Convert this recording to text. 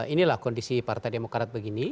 inilah kondisi partai demokrat begini